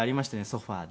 ソファで。